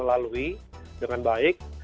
tapi dengan situasi covid sembilan belas